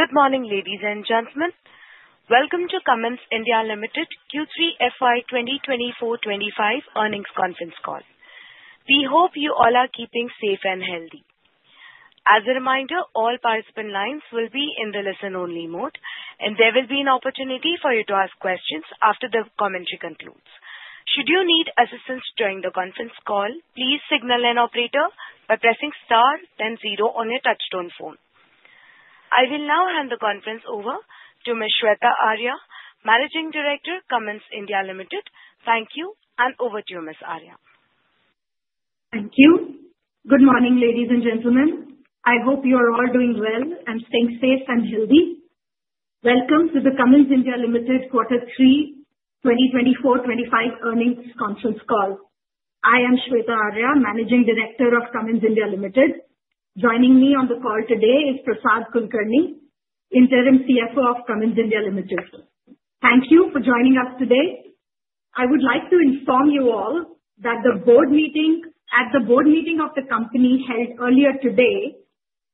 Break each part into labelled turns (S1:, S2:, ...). S1: Good morning, ladies and gentlemen. Welcome to Cummins India Limited Q3 FY 2024-2025 Earnings Conference Call. We hope you all are keeping safe and healthy. As a reminder, all participant lines will be in the listen-only mode, and there will be an opportunity for you to ask questions after the commentary concludes. Should you need assistance during the conference call, please signal an operator by pressing star then zero on your touch-tone phone. I will now hand the conference over to Ms. Shveta Arya, Managing Director, Cummins India Limited. Thank you, and over to you, Ms. Arya.
S2: Thank you. Good morning, ladies and gentlemen. I hope you are all doing well and staying safe and healthy. Welcome to the Cummins India Limited Q3 2024-2025 Earnings Conference Call. I am Shveta Arya, Managing Director of Cummins India Limited. Joining me on the call today is Prasad Kulkarni, Interim CFO of Cummins India Limited. Thank you for joining us today. I would like to inform you all that the board meeting of the company held earlier today,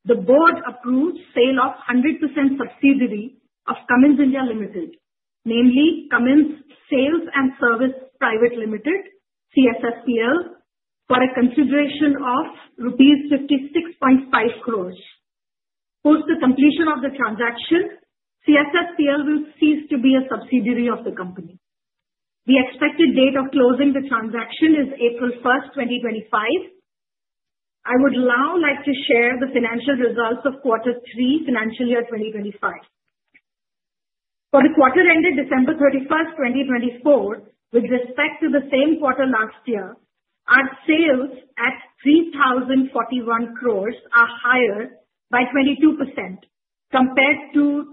S2: the board approved sale of 100% subsidiary of Cummins India Limited, namely Cummins Sales and Service Private Limited, CSSPL, for a consideration of rupees 56.5 crores. Post the completion of the transaction, CSSPL will cease to be a subsidiary of the company. The expected date of closing the transaction is April 1st, 2025. I would now like to share the financial results of quarter three financial year 2025. For the quarter ended December 31st, 2024, with respect to the same quarter last year, our sales at 3,041 crores are higher by 22% compared to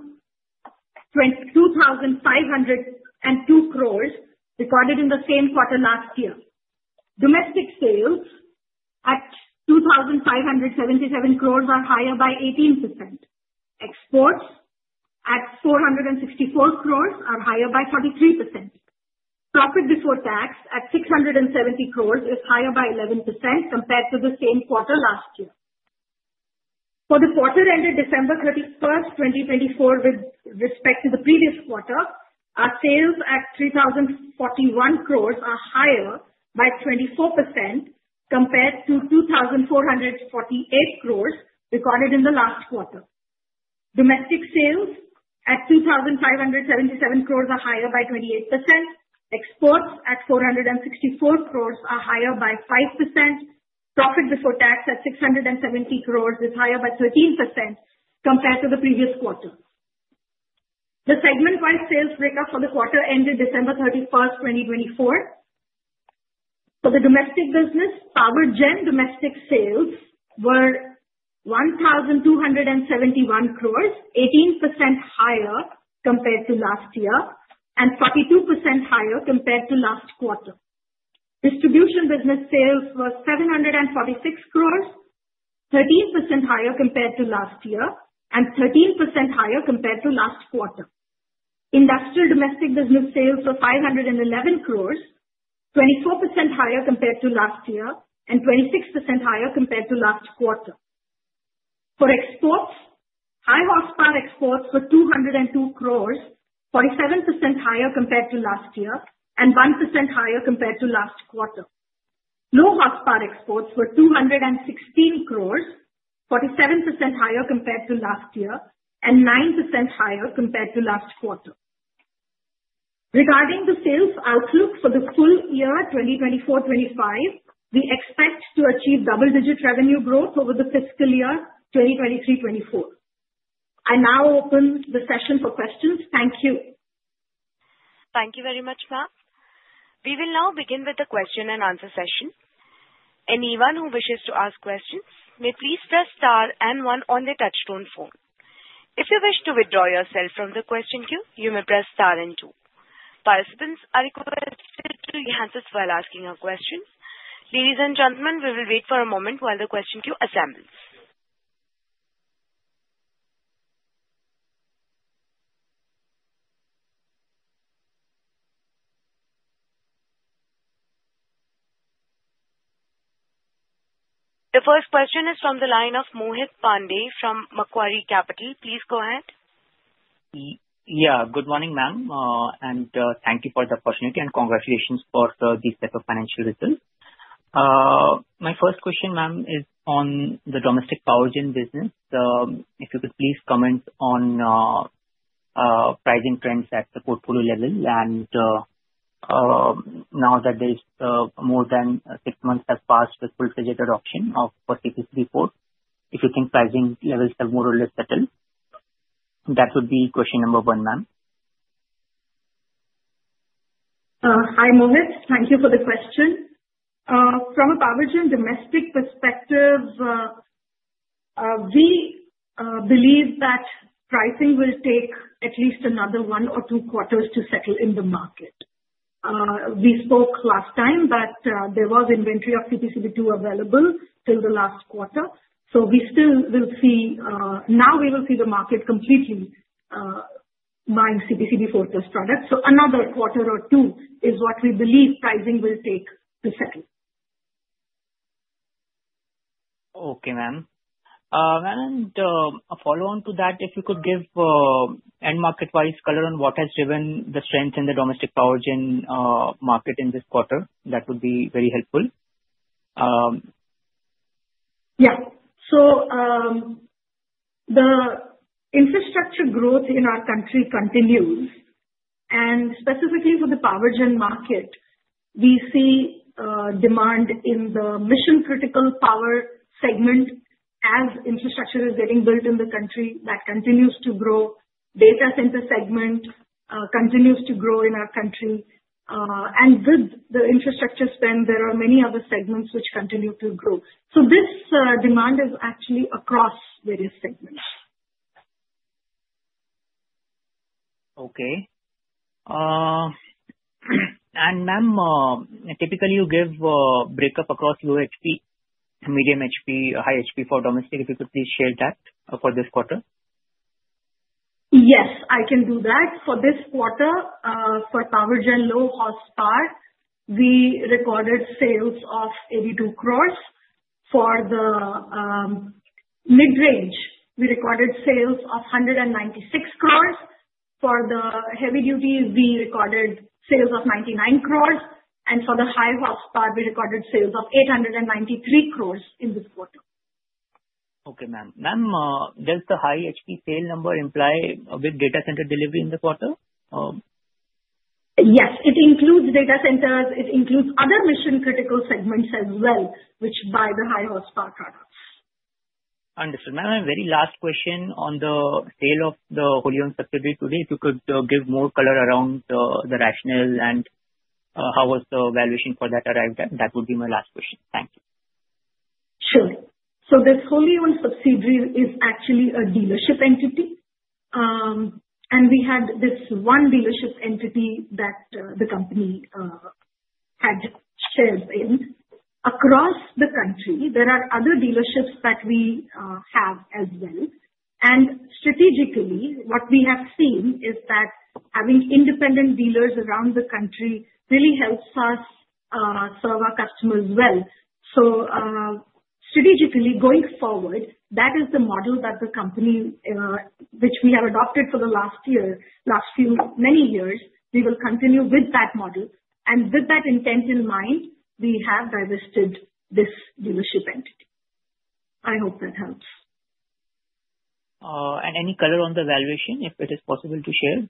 S2: 2,502 crores recorded in the same quarter last year. Domestic sales at 2,577 crores are higher by 18%. Exports at 464 crores are higher by 43%. Profit before tax at 670 crores is higher by 11% compared to the same quarter last year. For the quarter ended December 31st, 2024, with respect to the previous quarter, our sales at 3,041 crores are higher by 24% compared to 2,448 crores recorded in the last quarter. Domestic sales at 2,577 crores are higher by 28%. Exports at 464 crores are higher by 5%. Profit before tax at 670 crores is higher by 13% compared to the previous quarter. The segment-wise sales breakup for the quarter ended December 31st, 2024. For the domestic business, Power Gen domestic sales were 1,271 crores, 18% higher compared to last year and 42% higher compared to last quarter. Distribution business sales were 746 crores, 13% higher compared to last year and 13% higher compared to last quarter. Industrial domestic business sales were 511 crores, 24% higher compared to last year and 26% higher compared to last quarter. For exports, High Horsepower exports were 202 crores, 47% higher compared to last year and 1% higher compared to last quarter. Low horsepower exports were 216 crores, 47% higher compared to last year and 9% higher compared to last quarter. Regarding the sales outlook for the full year 2024-2025, we expect to achieve double-digit revenue growth over the fiscal year 2023-2024. I now open the session for questions. Thank you.
S1: Thank you very much, ma'am. We will now begin with the question and answer session. Anyone who wishes to ask questions may please press star and one on the touch-tone phone. If you wish to withdraw yourself from the question queue, you may press star and two. Participants are requested to answer while asking a question. Ladies and gentlemen, we will wait for a moment while the question queue assembles. The first question is from the line of Mohit Pandey from Macquarie Capital. Please go ahead.
S3: Yeah, good morning, ma'am. And thank you for the opportunity and congratulations for these types of financial results. My first question, ma'am, is on the domestic Power Gen business. If you could please comment on pricing trends at the portfolio level, and now that more than six months have passed with full-fledged adoption of BS-VI, if you think pricing levels have more or less settled. That would be question number one, ma'am.
S2: Hi, Mohit. Thank you for the question. From a Power Gen domestic perspective, we believe that pricing will take at least another one or two quarters to settle in the market. We spoke last time that there was inventory of CPCB II available till the last quarter. So we still will see the market completely buying CPCB IV+ products. So another quarter or two is what we believe pricing will take to settle.
S3: Okay, ma'am. And a follow-on to that, if you could give end-market-wise color on what has driven the strength in the domestic Power Gen market in this quarter, that would be very helpful.
S2: Yeah. So the infrastructure growth in our country continues. And specifically for the Power Gen market, we see demand in the mission-critical power segment as infrastructure is getting built in the country. That continues to grow. Data center segment continues to grow in our country. And with the infrastructure spend, there are many other segments which continue to grow. So this demand is actually across various segments.
S3: Okay. And ma'am, typically you give breakup across Low HP, Medium HP, High HP for domestic. If you could please share that for this quarter.
S2: Yes, I can do that. For this quarter, for Power Gen Low Horsepower, we recorded sales of 82 crores. For the Mid-range, we recorded sales of 196 crores. For the Heavy Duty, we recorded sales of 99 crores, and for the High Horsepower, we recorded sales of 893 crores in this quarter.
S3: Okay, ma'am. Ma'am, does the High HP sale number imply a big data center delivery in the quarter?
S2: Yes. It includes data centers. It includes other mission-critical segments as well, which buy the High Horsepower products.
S3: Understood. Ma'am, my very last question on the sale of the wholly owned subsidiary today, if you could give more color around the rationale and how was the valuation for that arrived at, that would be my last question. Thank you.
S2: Sure. So this wholly owned subsidiary is actually a dealership entity. And we had this one dealership entity that the company had shares in. Across the country, there are other dealerships that we have as well. And strategically, what we have seen is that having independent dealers around the country really helps us serve our customers well. So strategically, going forward, that is the model that the company, which we have adopted for the last year, last few many years, we will continue with that model. And with that intent in mind, we have divested this dealership entity. I hope that helps.
S3: Any color on the valuation, if it is possible to share?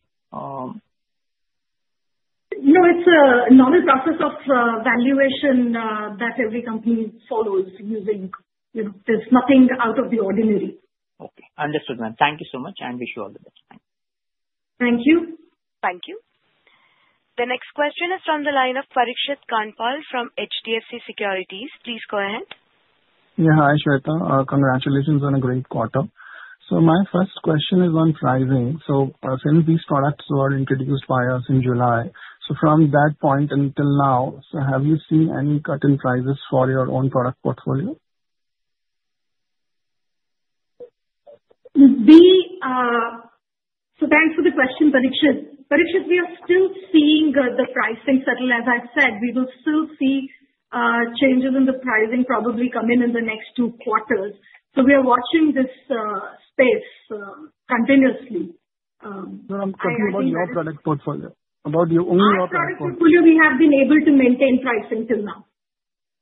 S2: No, it's a normal process of valuation that every company follows, you see. There's nothing out of the ordinary.
S3: Okay. Understood, ma'am. Thank you so much and wish you all the best. Thank you.
S2: Thank you.
S1: Thank you. The next question is from the line of Parikshit Kandpal from HDFC Securities. Please go ahead.
S4: Yeah, hi, Shveta. Congratulations on a great quarter. So my first question is on pricing. So since these products were introduced by us in July, so from that point until now, so have you seen any cut in prices for your own product portfolio?
S2: So thanks for the question, Parikshit. Parikshit, we are still seeing the pricing settle. As I've said, we will still see changes in the pricing probably come in in the next two quarters. So we are watching this space continuously.
S4: Ma'am, talking about your product portfolio, about your own product portfolio.
S2: As far as we have been able to maintain price until now.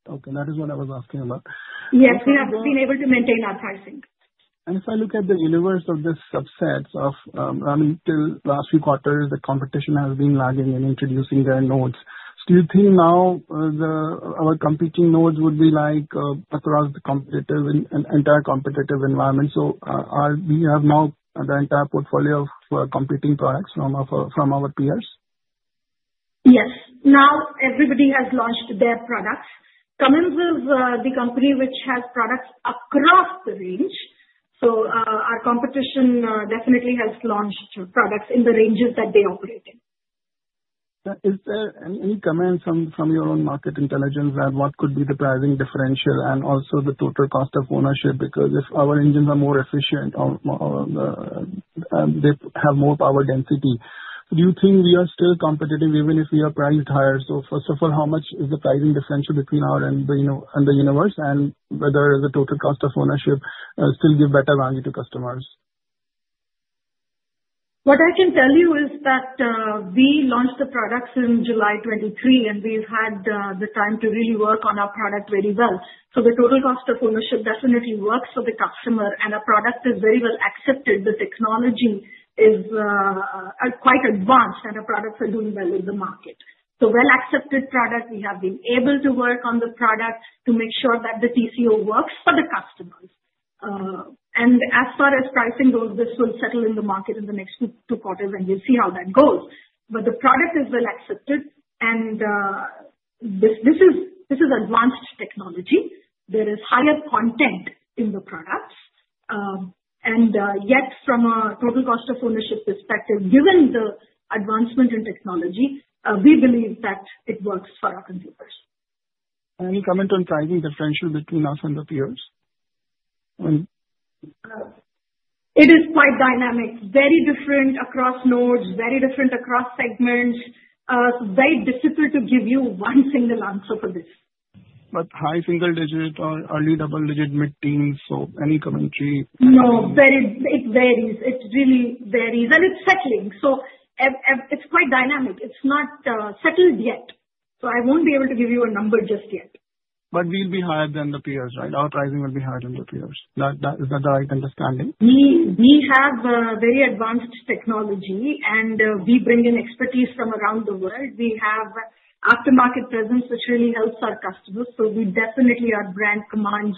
S4: Okay. That is what I was asking about.
S2: Yes, we have been able to maintain our pricing.
S4: If I look at the universe of this subset, I mean, till last few quarters, the competition has been lagging in introducing their norms. Do you think now our competing norms would be across the competitive and entire competitive environment, so we have now the entire portfolio of competing products from our peers.
S2: Yes. Now everybody has launched their products. Cummins is the company which has products across the range. So our competition definitely has launched products in the ranges that they operate in.
S4: Is there any comment from your own market intelligence that what could be the pricing differential and also the total cost of ownership? Because if our engines are more efficient, they have more power density. Do you think we are still competitive even if we are priced higher, so first of all, how much is the pricing differential between our and the universe and whether the total cost of ownership still gives better value to customers?
S2: What I can tell you is that we launched the products in July 2023, and we've had the time to really work on our product very well. So the total cost of ownership definitely works for the customer, and our product is very well accepted. The technology is quite advanced, and our products are doing well in the market. So well-accepted product, we have been able to work on the product to make sure that the TCO works for the customers. And as far as pricing goes, this will settle in the market in the next two quarters, and you'll see how that goes. But the product is well accepted, and this is advanced technology. There is higher content in the products. And yet, from a total cost of ownership perspective, given the advancement in technology, we believe that it works for our consumers.
S4: Any comment on pricing differential between us and the peers?
S2: It is quite dynamic, very different across nodes, very different across segments. It's very difficult to give you one single answer for this.
S4: But high single-digit or early double-digit mid-teens, so any commentary?
S2: No, it varies. It really varies, and it's settling, so it's quite dynamic. It's not settled yet, so I won't be able to give you a number just yet.
S4: But we'll be higher than the peers, right? Our pricing will be higher than the peers. Is that the right understanding?
S2: We have very advanced technology, and we bring in expertise from around the world. We have aftermarket presence, which really helps our customers. So we definitely are brands that command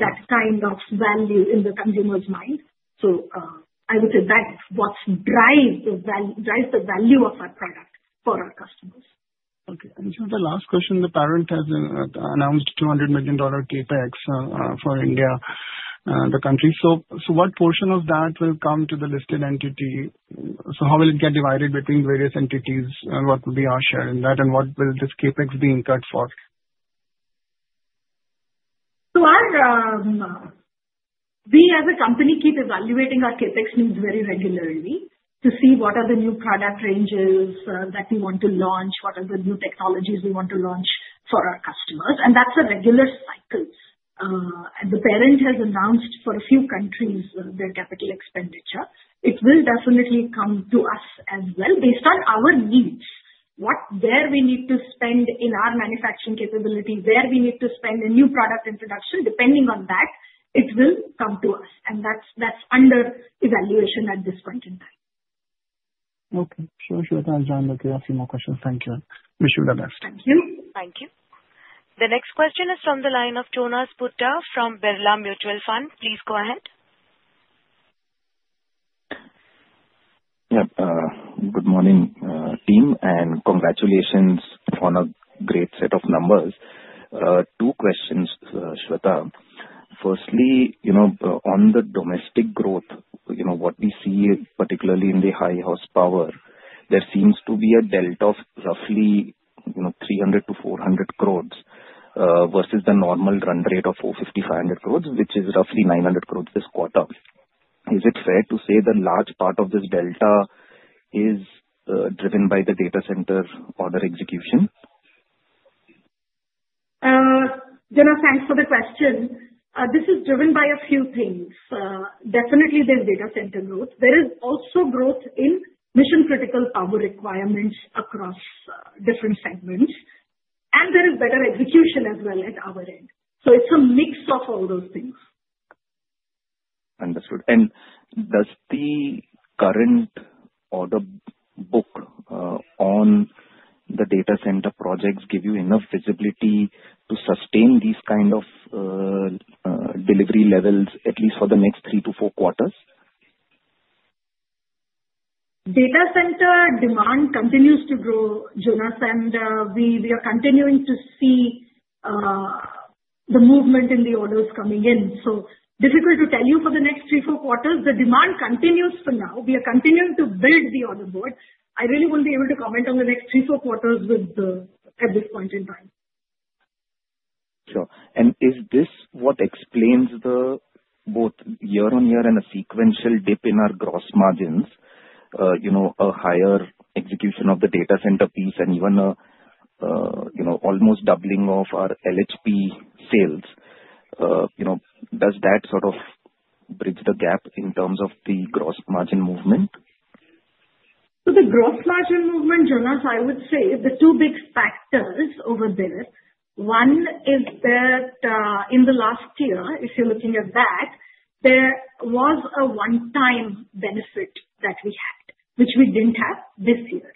S2: that kind of value in the consumer's mind. So I would say that's what drives the value of our product for our customers.
S4: Okay. And for the last question, the parent has announced $200 million CapEx for India, the country. So what portion of that will come to the listed entity? So how will it get divided between various entities? What will be our share in that, and what will this CapEx be incurred for?
S2: We as a company keep evaluating our CapEx needs very regularly to see what are the new product ranges that we want to launch, what are the new technologies we want to launch for our customers. And that's a regular cycle. And the parent has announced for a few countries their capital expenditure. It will definitely come to us as well based on our needs, where we need to spend in our manufacturing capability, where we need to spend in new product introduction. Depending on that, it will come to us. And that's under evaluation at this point in time.
S4: Okay. Sure, sure. Thanks, Jonas. I have a few more questions. Thank you. Wish you the best.
S2: Thank you.
S1: Thank you. The next question is from the line of Jonas Bhutta from Birla Mutual Fund. Please go ahead.
S5: Yep. Good morning, team. And congratulations on a great set of numbers. Two questions, Shweta. Firstly, on the domestic growth, what we see, particularly in the High Horsepower, there seems to be a delta of roughly 300 crores-400 crores versus the normal run rate of 450 crores-500 crores, which is roughly 900 crores this quarter. Is it fair to say that large part of this delta is driven by the data center order execution?
S2: Jonas, thanks for the question. This is driven by a few things. Definitely, there's data center growth. There is also growth in mission-critical power requirements across different segments. And there is better execution as well at our end. So it's a mix of all those things.
S5: Understood. And does the current order book on the data center projects give you enough visibility to sustain these kind of delivery levels, at least for the next three to four quarters?
S2: Data center demand continues to grow, Jonas, and we are continuing to see the movement in the orders coming in, so difficult to tell you for the next three or four quarters. The demand continues for now. We are continuing to build the order board. I really won't be able to comment on the next three or four quarters at this point in time.
S5: Sure. And is this what explains the both year-on-year and a sequential dip in our gross margins, a higher execution of the data center piece and even an almost doubling of our LHP sales? Does that sort of bridge the gap in terms of the gross margin movement?
S2: So, the gross margin movement, Jonas, I would say, the two big factors over there. One is that in the last year, if you're looking at that, there was a one-time benefit that we had, which we didn't have this year.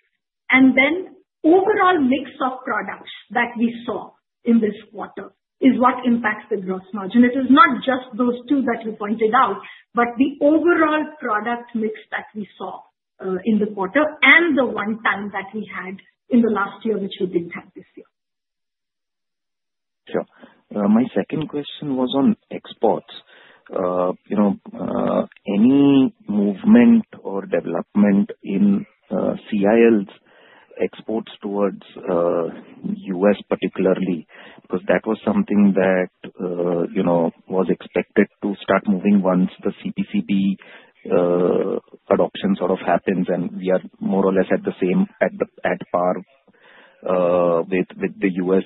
S2: And then overall mix of products that we saw in this quarter is what impacts the gross margin. It is not just those two that you pointed out, but the overall product mix that we saw in the quarter and the one-time that we had in the last year, which we didn't have this year.
S5: Sure. My second question was on exports. Any movement or development in CIL's exports towards the U.S., particularly? Because that was something that was expected to start moving once the CPCB adoption sort of happens, and we are more or less at the same at par with the U.S.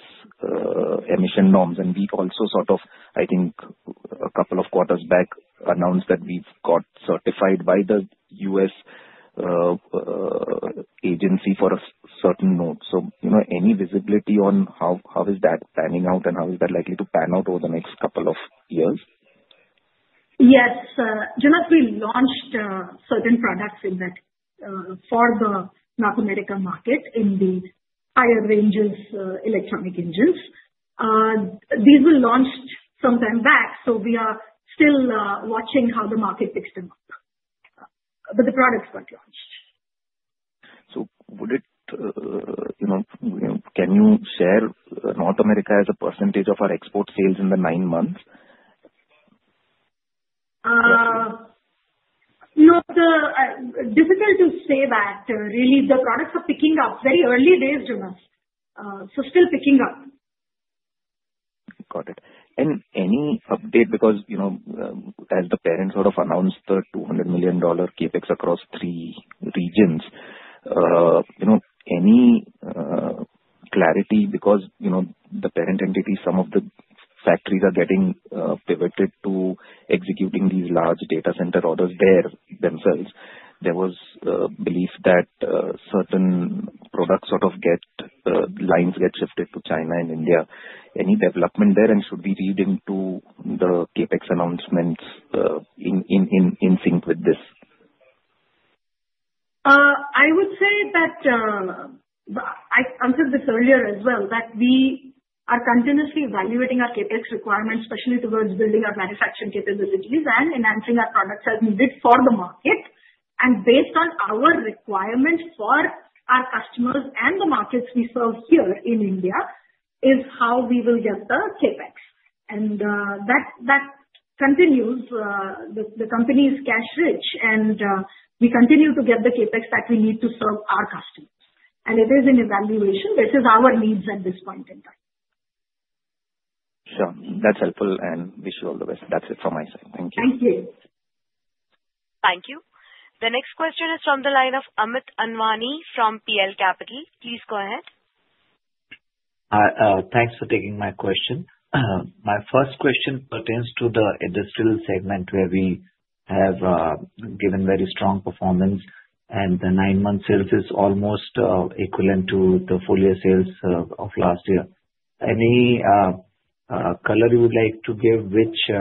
S5: emission norms. And we also sort of, I think, a couple of quarters back, announced that we've got certified by the U.S. agency for a certain node. So any visibility on how is that panning out and how is that likely to pan out over the next couple of years?
S2: Yes. Jonas, we launched certain products in that for the North America market in the higher ranges electronic engines. These were launched some time back, so we are still watching how the market picks them up. But the products got launched.
S5: So can you share North America as a percentage of our export sales in the nine months?
S2: Difficult to say that. Really, the products are picking up. Very early days, Jonas. So still picking up.
S5: Got it. And any update? Because as the parent sort of announced the $200 million CapEx across three regions, any clarity? Because the parent entity, some of the factories are getting pivoted to executing these large data center orders there themselves. There was belief that certain product lines get shifted to China and India. Any development there? And should we read into the CapEx announcements in sync with this?
S2: I would say that I answered this earlier as well, that we are continuously evaluating our CapEx requirements, especially towards building our manufacturing capabilities and enhancing our products as needed for the market. And based on our requirements for our customers and the markets we serve here in India is how we will get the CapEx. And that continues. The company is cash-rich, and we continue to get the CapEx that we need to serve our customers. And it is an evaluation. This is our needs at this point in time.
S5: Sure. That's helpful, and wish you all the best. That's it from my side. Thank you.
S2: Thank you.
S1: Thank you. The next question is from the line of Amit Anwani from PL Capital. Please go ahead.
S6: Thanks for taking my question. My first question pertains to the industrial segment where we have given very strong performance, and the nine-month sales is almost equivalent to the full-year sales of last year. Any color you would like to give which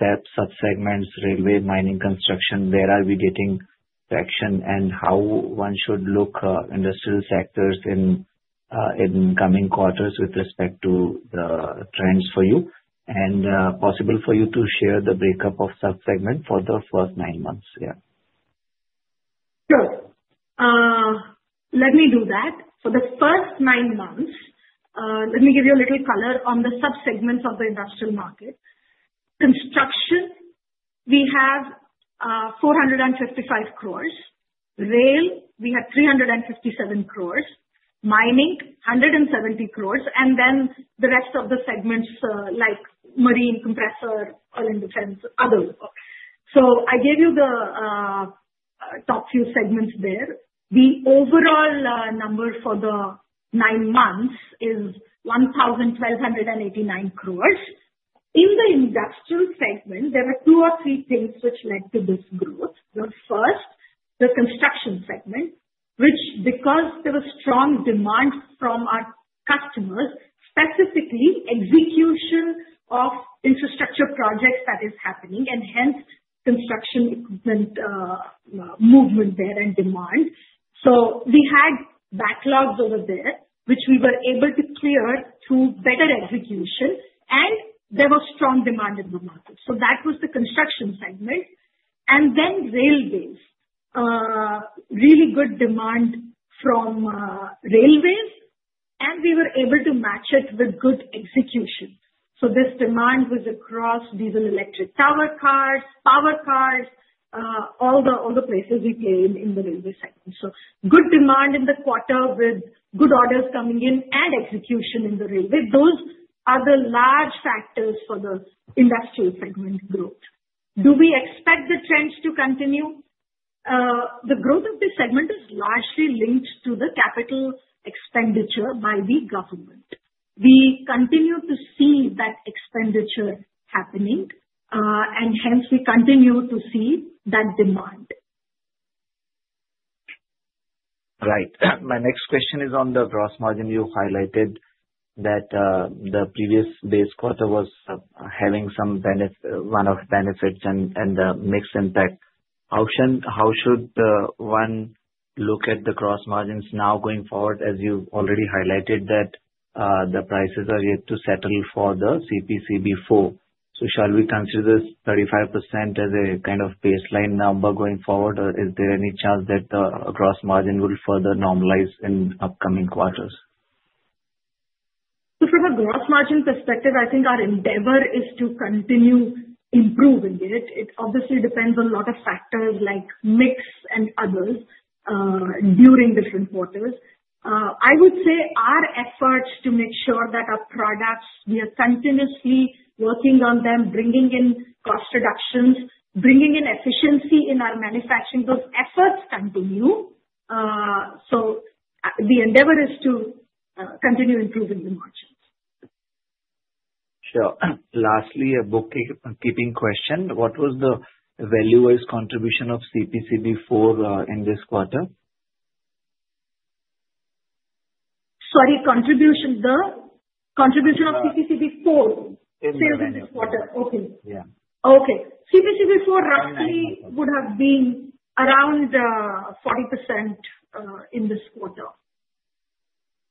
S6: subsegments? Railway, mining, construction, where are we getting traction, and how one should look at industrial sectors in coming quarters with respect to the trends for you? And possible for you to share the breakup of subsegment for the first nine months? Yeah.
S2: Sure. Let me do that. For the first nine months, let me give you a little color on the subsegments of the industrial market. Construction, we have 455 crores. Rail, we have 357 crores. Mining, 170 crores. And then the rest of the segments like Marine, Compressor, Oil and Defense, other work. So I gave you the top few segments there. The overall number for the nine months is 1,189 crores. In the industrial segment, there are two or three things which led to this growth. The first, the Construction segment, which, because there was strong demand from our customers, specifically execution of infrastructure projects that is happening, and hence construction movement there and demand. So we had backlogs over there, which we were able to clear through better execution, and there was strong demand in the market. So that was the Construction segment. And then, railways, really good demand from railways, and we were able to match it with good execution. So this demand was across Diesel Electric Tower Cars, Power Cars, all the places we play in the Railway segment. So good demand in the quarter with good orders coming in and execution in the railway. Those are the large factors for the industrial segment growth. Do we expect the trends to continue? The growth of this segment is largely linked to the capital expenditure by the government. We continue to see that expenditure happening, and hence we continue to see that demand.
S6: Right. My next question is on the gross margin. You highlighted that the previous base quarter was having one-off benefits and the mixed impact. How should one look at the gross margins now going forward? As you already highlighted that the prices are yet to settle for the CPCB IV+. So shall we consider this 35% as a kind of baseline number going forward, or is there any chance that the gross margin will further normalize in upcoming quarters?
S2: So from a gross margin perspective, I think our endeavor is to continue improving it. It obviously depends on a lot of factors like mix and others during different quarters. I would say our efforts to make sure that our products, we are continuously working on them, bringing in cost reductions, bringing in efficiency in our manufacturing. Those efforts continue. So the endeavor is to continue improving the margins.
S6: Sure. Lastly, a bookkeeping question. What was the value-based contribution of CPCB IV+ in this quarter?
S2: Sorry, contribution. The contribution of CPCB IV+ sales in this quarter. Okay. Okay. CPCB IV+ roughly would have been around 40% in this quarter.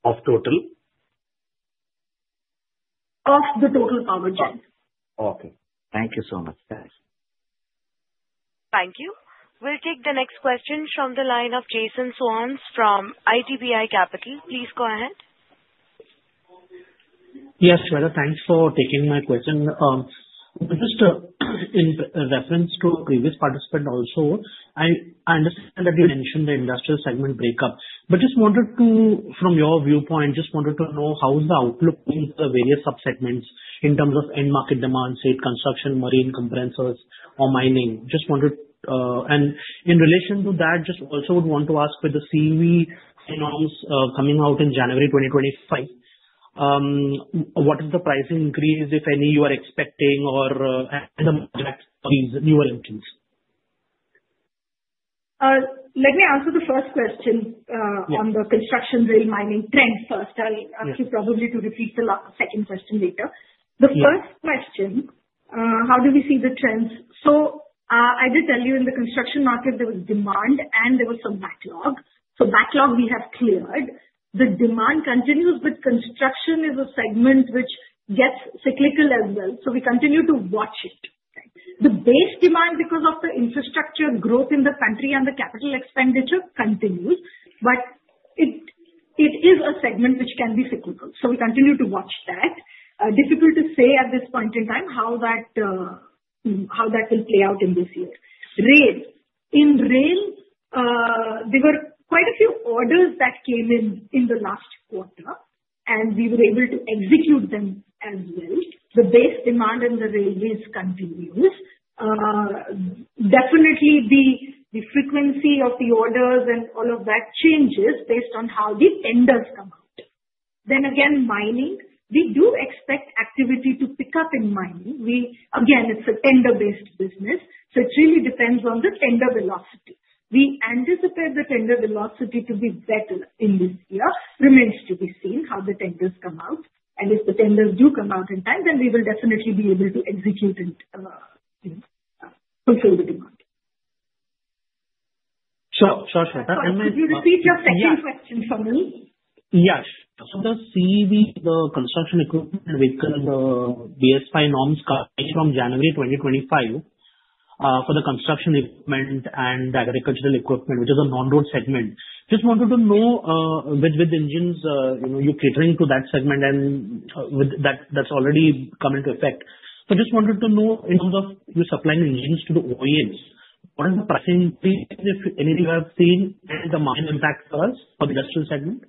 S6: Of total?
S2: Of the total power generation.
S6: Okay. Thank you so much. Thanks.
S1: Thank you. We'll take the next question from the line of Jason Soans from IDBI Capital. Please go ahead.
S7: Yes, Shweta. Thanks for taking my question. Just in reference to a previous participant also, I understand that you mentioned the industrial segment breakup, but just wanted to, from your viewpoint, just wanted to know how is the outlook in the various subsegments in terms of end market demand, say, construction, marine, compressors, or mining. And in relation to that, just also would want to ask with the CV announced coming out in January 2025, what is the pricing increase, if any, you are expecting, or the newer entries?
S2: Let me answer the first question on the construction rail mining trend first. I'll ask you probably to repeat the second question later. The first question, how do we see the trends? So I did tell you in the construction market, there was demand, and there was some backlog. So backlog we have cleared. The demand continues, but construction is a segment which gets cyclical as well. So we continue to watch it. The base demand, because of the infrastructure growth in the country and the capital expenditure, continues, but it is a segment which can be cyclical. So we continue to watch that. Difficult to say at this point in time how that will play out in this year. Rail. In Rail, there were quite a few orders that came in in the last quarter, and we were able to execute them as well. The base demand in the railways continues. Definitely, the frequency of the orders and all of that changes based on how the tenders come out, then again, mining, we do expect activity to pick up in mining. Again, it's a tender-based business, so it really depends on the tender velocity. We anticipate the tender velocity to be better in this year. Remains to be seen how the tenders come out, and if the tenders do come out in time, then we will definitely be able to execute and fulfill the demand.
S7: Sure. Sure. Sure.
S2: Could you repeat your second question for me?
S7: Yes. So the CEV, the construction equipment vehicle, the BS-VI norms coming from January 2025 for the construction equipment and agricultural equipment, which is a non-road segment. Just wanted to know with engines you're catering to that segment, and that's already come into effect. So just wanted to know in terms of you supplying engines to the OEMs, what are the pricing? Anything you have seen as a minor impact for us for the industrial segment?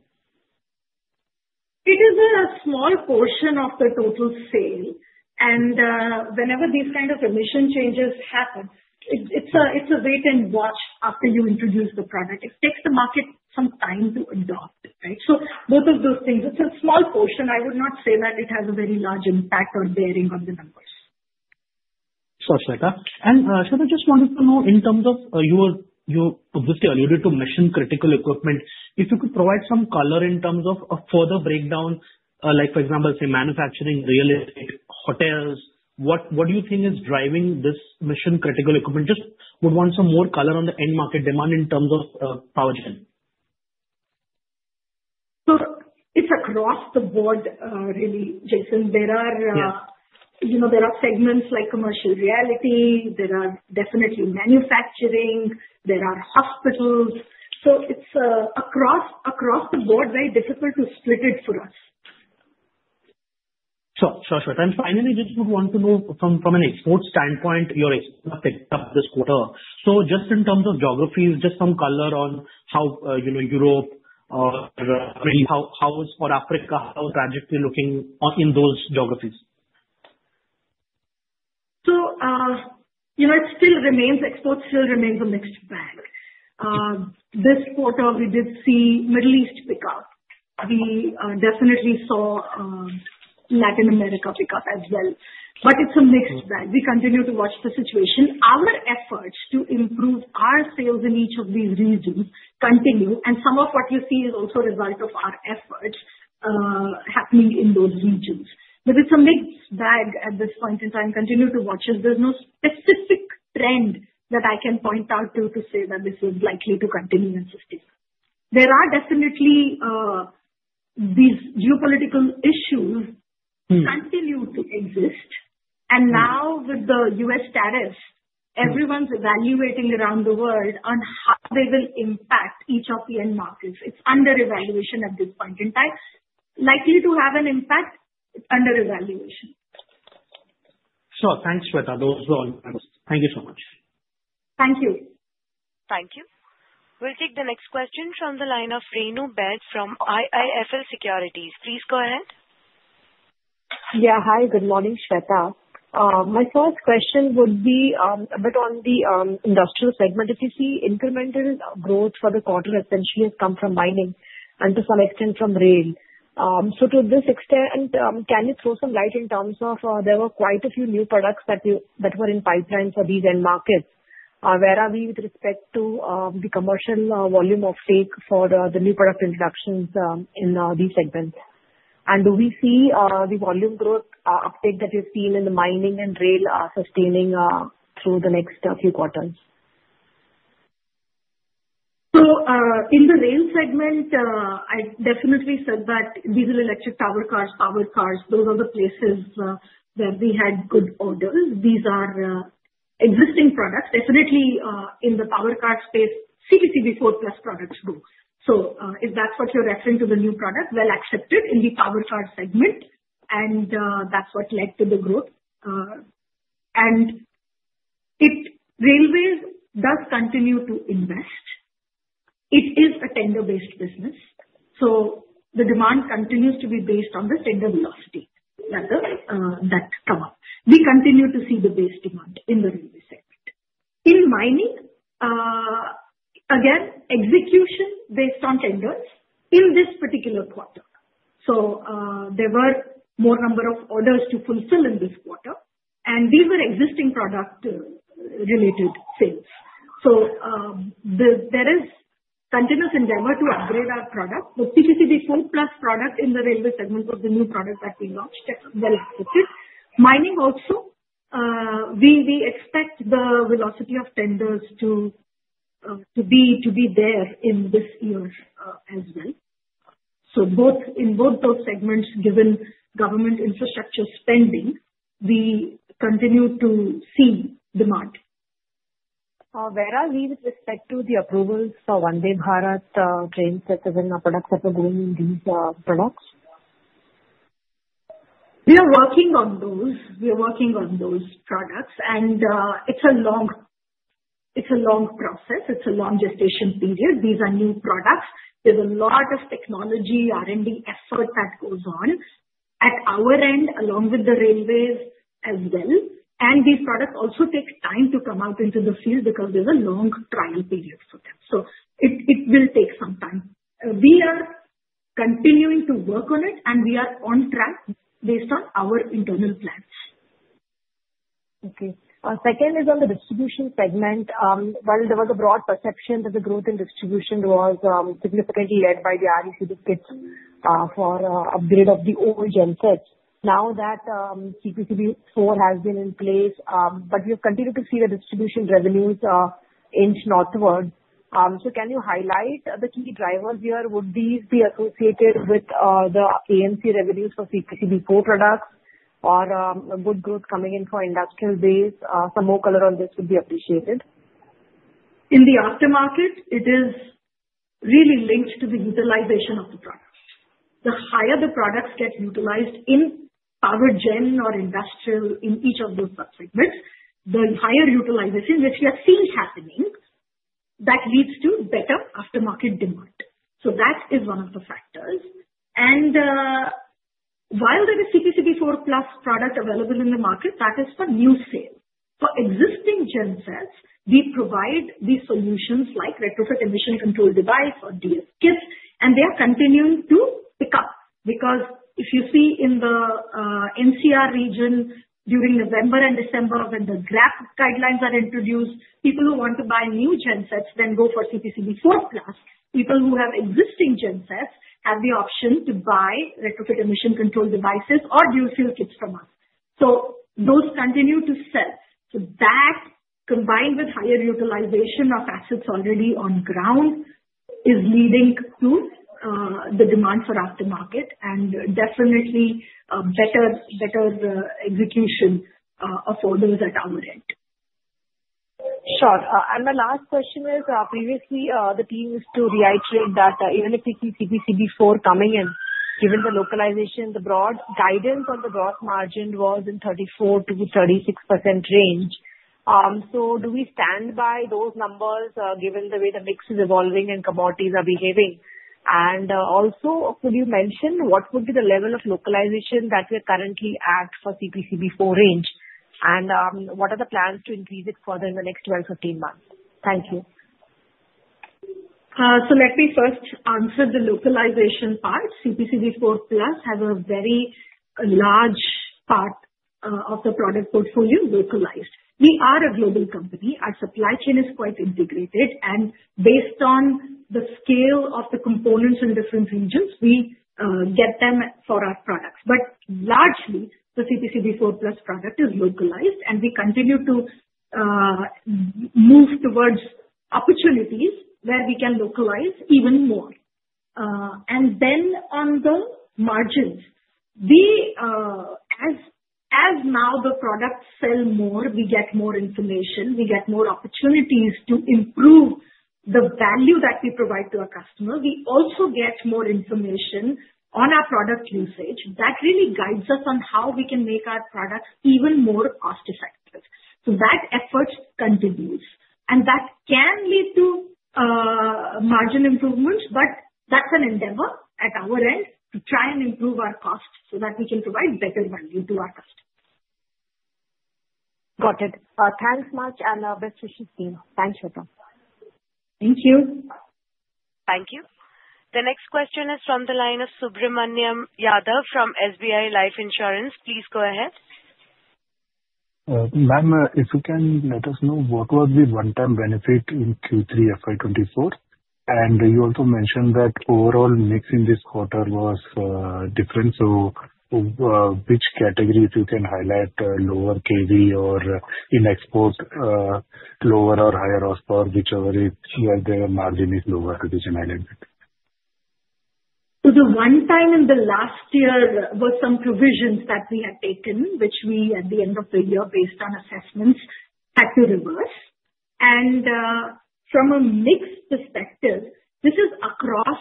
S2: It is a small portion of the total sale. And whenever these kind of emission changes happen, it's a wait-and-watch after you introduce the product. It takes the market some time to adopt, right? So both of those things. It's a small portion. I would not say that it has a very large impact or bearing on the numbers.
S7: Sure. Sure. And Shweta, just wanted to know in terms of your obviously alluded to mission-critical equipment, if you could provide some color in terms of a further breakdown, like for example, say, manufacturing, railway, hotels, what do you think is driving this mission-critical equipment? Just would want some more color on the end market demand in terms of power generation.
S2: So it's across the board, really, Jason. There are segments like commercial realty. There are definitely manufacturing. There are hospitals. So it's across the board, very difficult to split it for us.
S7: Sure. And finally, just would want to know from an export standpoint, your exports picked up this quarter. So, just in terms of geographies, just some color on how Europe or how is for Africa, how is trajectory looking in those geographies?
S2: So exports still remains a mixed bag. This quarter, we did see Middle East pick up. We definitely saw Latin America pick up as well. But it's a mixed bag. We continue to watch the situation. Our efforts to improve our sales in each of these regions continue, and some of what you see is also a result of our efforts happening in those regions. But it's a mixed bag at this point in time. Continue to watch it. There's no specific trend that I can point out to say that this is likely to continue and sustain. There are definitely these geopolitical issues continue to exist. And now with the U.S. tariffs, everyone's evaluating around the world on how they will impact each of the end markets. It's under evaluation at this point in time. Likely to have an impact, it's under evaluation.
S7: Sure. Thanks, Shveta. Those were all my questions. Thank you so much.
S2: Thank you.
S1: Thank you. We'll take the next question from the line of Renu Baid from IIFL Securities. Please go ahead.
S8: Yeah. Hi. Good morning, Shweta. My first question would be a bit on the industrial segment. If you see incremental growth for the quarter, essentially has come from mining and to some extent from rail. So to this extent, can you throw some light in terms of there were quite a few new products that were in pipeline for these end markets? Where are we with respect to the commercial volume offtake for the new product introductions in these segments? And do we see the volume growth uptake that you've seen in the mining and rail sustaining through the next few quarters?
S2: In the rail segment, I definitely said that diesel electric tower cars, power cars, those are the places that we had good orders. These are existing products. Definitely in the power car space, CPCB IV+ products grows. So if that's what you're referring to, the new product well accepted in the power car segment, and that's what led to the growth. And railways does continue to invest. It is a tender-based business. So the demand continues to be based on the tender velocity that come up. We continue to see the base demand in the railway segment. In mining, again, execution based on tenders in this particular quarter. So there were more number of orders to fulfill in this quarter, and these were existing product-related sales. So there is continuous endeavor to upgrade our product. The CPCB IV+ product in the railway segment was the new product that we launched that was well accepted. Mining also, we expect the velocity of tenders to be there in this year as well. So in both those segments, given government infrastructure spending, we continue to see demand.
S8: Where are we with respect to the approvals for Vande Bharat trains that are going in these products?
S2: We are working on those. We are working on those products. And it's a long process. It's a long gestation period. These are new products. There's a lot of technology R&D effort that goes on at our end, along with the railways as well. And these products also take time to come out into the field because there's a long trial period for them. So it will take some time. We are continuing to work on it, and we are on track based on our internal plans.
S8: Okay. Second is on the distribution segment. Well, there was a broad perception that the growth in distribution was significantly led by the RECD kits for upgrade of the old gensets. Now that CPCB IV+ has been in place, but we have continued to see the distribution revenues inch northward. So can you highlight the key drivers here? Would these be associated with the AMC revenues for CPCB IV products or good growth coming in for industrial business? Some more color on this would be appreciated.
S2: In the aftermarket, it is really linked to the utilization of the products. The higher the products get utilized in power gen or industrial in each of those subsegments, the higher utilization, which we have seen happening, that leads to better aftermarket demand, so that is one of the factors, and while there is CPCB IV+ product available in the market, that is for new sale. For existing gensets, we provide these solutions like retrofit emission control device or dual fuel kit, and they are continuing to pick up because if you see in the NCR region during November and December when the GRAP guidelines are introduced, people who want to buy new gensets then go for CPCB IV+. People who have existing gensets have the option to buy retrofit emission control devices or dual fuel kits from us, so those continue to sell. So that combined with higher utilization of assets already on ground is leading to the demand for aftermarket and definitely better execution of orders at our end.
S8: Sure. And my last question is previously the team used to reiterate that even if we see CPCB IV coming in, given the localization, the broad guidance on the gross margin was in 34%-36% range. So do we stand by those numbers given the way the mix is evolving and commodities are behaving? And also, could you mention what would be the level of localization that we are currently at for CPCB IV range? And what are the plans to increase it further in the next 12-15 months? Thank you.
S2: So let me first answer the localization part. CPCB IV+ has a very large part of the product portfolio localized. We are a global company. Our supply chain is quite integrated. And based on the scale of the components in different regions, we get them for our products. But largely, the CPCB IV+ product is localized, and we continue to move towards opportunities where we can localize even more. And then on the margins, as now the products sell more, we get more information. We get more opportunities to improve the value that we provide to our customers. We also get more information on our product usage that really guides us on how we can make our products even more cost-effective. That effort continues, and that can lead to margin improvements, but that's an endeavor at our end to try and improve our cost so that we can provide better value to our customers.
S8: Got it. Thanks much and best wishes to you. Thanks, Shveta.
S2: Thank you.
S1: Thank you. The next question is from the line of Subramanian Yadav from SBI Life Insurance. Please go ahead.
S9: Ma'am, if you can let us know what was the one-time benefit in Q3 FY 2024? And you also mentioned that overall mix in this quarter was different. So which categories you can highlight, lower kVA or in export, lower or higher Horsepower, whichever is where the margin is lower, which is highlighted?
S2: So the one time in the last year was some provisions that we had taken, which we at the end of the year based on assessments had to reverse. And from a mixed perspective, this is across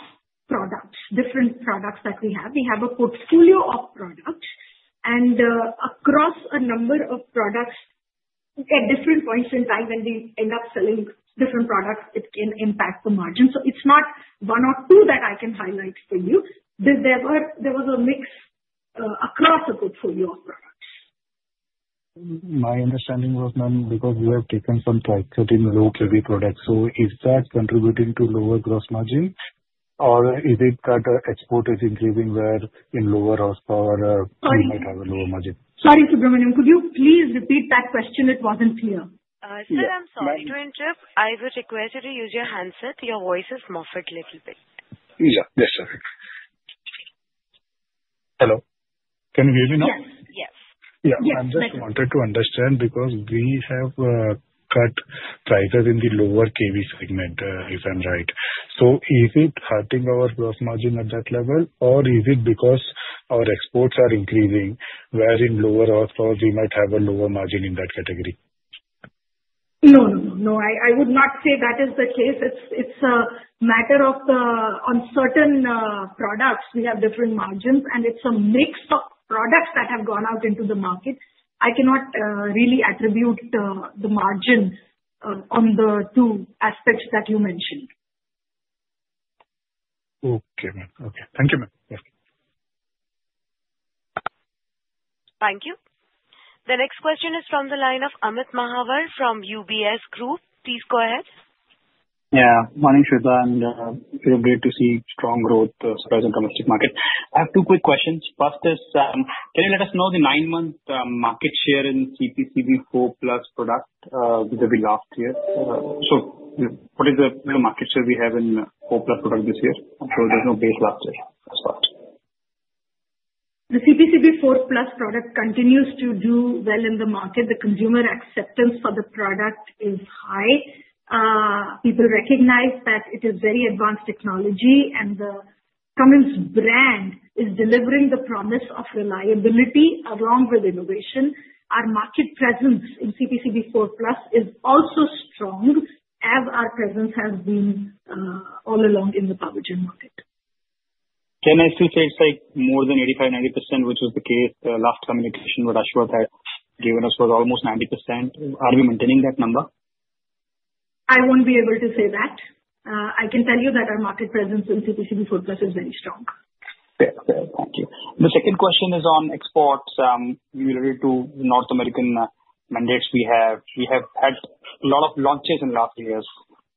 S2: products, different products that we have. We have a portfolio of products, and across a number of products at different points in time when we end up selling different products, it can impact the margin. So it's not one or two that I can highlight for you. There was a mix across a portfolio of products.
S9: My understanding was, ma'am, because we have taken some price cut in Low Horsepower products. So is that contributing to lower gross margin? Or is it that export is increasing where in lower Horsepower we might have a lower margin?
S2: Sorry, Subramaniam, could you please repeat that question? It wasn't clear.
S1: Sir, I'm sorry to interrupt. I would request you to use your handset. Your voice is muffled a little bit.
S9: Yeah. Yes, sir. Hello. Can you hear me now?
S1: Yes. Yes.
S9: Yeah. I just wanted to understand because we have cut prices in the lower kVA segment, if I'm right. So is it hurting our gross margin at that level? Or is it because our exports are increasing where in lower Horsepower we might have a lower margin in that category?
S2: No, no, no. I would not say that is the case. It's a matter of on certain products, we have different margins, and it's a mix of products that have gone out into the market. I cannot really attribute the margin on the two aspects that you mentioned.
S9: Okay. Okay. Thank you, ma'am.
S1: Thank you. The next question is from the line of Amit Mahawar from UBS Group. Please go ahead.
S10: Yeah. Morning, Shveta, and it's great to see strong growth surprising domestic market. I have two quick questions. First is, can you let us know the nine-month market share in CPCB IV+ product that we last year? So what is the market share we have in IV+ product this year? So there's no base last year as well.
S2: The CPCB IV+ product continues to do well in the market. The consumer acceptance for the product is high. People recognize that it is very advanced technology, and the Cummins brand is delivering the promise of reliability along with innovation. Our market presence in CPCB IV+ is also strong, as our presence has been all along in the power gen market.
S10: Can I still say it's like more than 85%-90%, which was the case last communication what Ashwath had given us was almost 90%? Are we maintaining that number?
S2: I won't be able to say that. I can tell you that our market presence in CPCB IV+ is very strong.
S10: Fair. Fair. Thank you. The second question is on exports. Related to North American mandates, we have had a lot of launches in the last few years.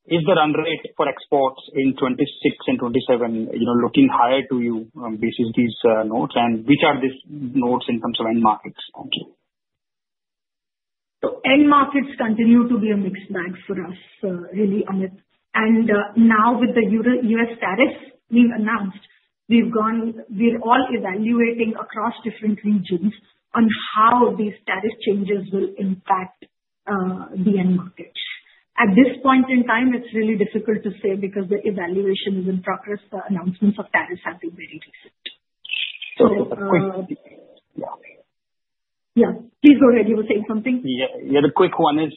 S10: Is the run rate for exports in 2026 and 2027 looking higher to you based on these nodes? And which are these nodes in terms of end markets? Thank you.
S2: So end markets continue to be a mixed bag for us, really, Amit. And now with the U.S. tariffs being announced, we're all evaluating across different regions on how these tariff changes will impact the end markets. At this point in time, it's really difficult to say because the evaluation is in progress. The announcements of tariffs have been very recent.
S10: So, a quick.
S2: Yeah. Please go ahead. You were saying something?
S10: Yeah. Yeah. The quick one is,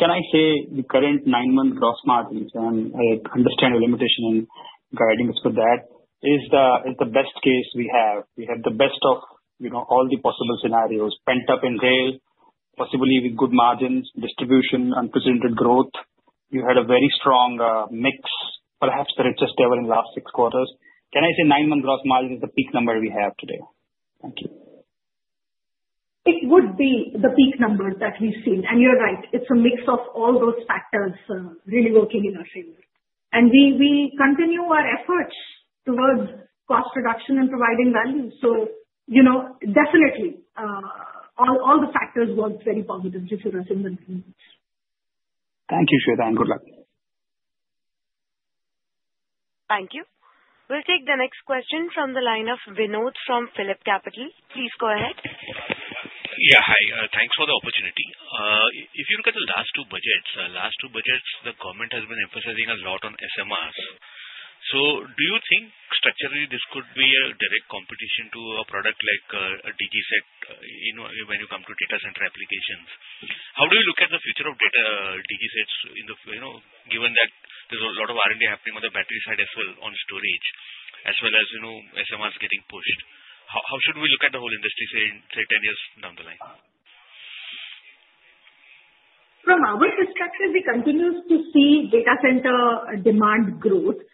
S10: can I say the current nine-month gross margins? And I understand your limitation in guiding us with that. Is the best case we have? We have the best of all the possible scenarios pent up in rail, possibly with good margins, distribution, unprecedented growth. You had a very strong mix, perhaps the richest ever in the last six quarters. Can I say nine-month gross margin is the peak number we have today? Thank you.
S2: It would be the peak number that we've seen. And you're right. It's a mix of all those factors really working in our favor. And we continue our efforts towards cost reduction and providing value. So definitely, all the factors work very positively for us in the next months.
S10: Thank you, Shweta, and good luck.
S1: Thank you. We'll take the next question from the line of Vinod from PhillipCapital. Please go ahead.
S11: Yeah. Hi. Thanks for the opportunity. If you look at the last two budgets, the last two budgets, the government has been emphasizing a lot on SMRs. So do you think structurally this could be a direct competition to a product like a DG set when you come to data center applications? How do you look at the future of data DG sets given that there's a lot of R&D happening on the battery side as well on storage, as well as SMRs getting pushed? How should we look at the whole industry say 10 years down the line?
S2: From our perspective, we continue to see data center demand growth.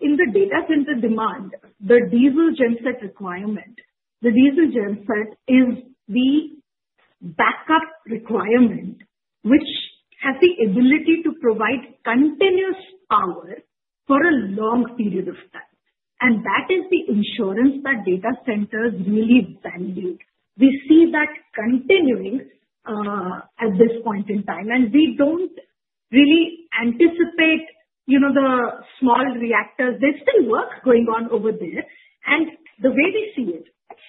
S2: In the data center demand, the diesel genset requirement, the diesel genset is the backup requirement which has the ability to provide continuous power for a long period of time. That is the insurance that data centers really value. We see that continuing at this point in time. We don't really anticipate the small reactors. There's still work going on over there. The way we see it,